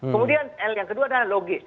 kemudian yang kedua adalah logis